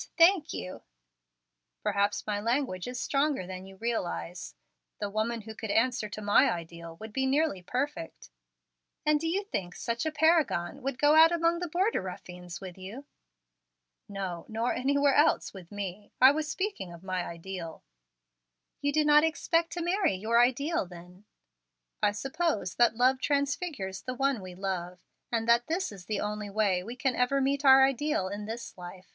thank you." "Perhaps my language is stronger than you realize. The woman who could answer to my ideal would be nearly perfect." "And do you think such a paragon would go out among the border ruffians with you?" "No, nor anywhere else with me. I was speaking of my ideal." "You do not expect to marry your ideal, then?" "I suppose love transfigures the one we love, and that this is the only way we can ever meet our ideal in this life.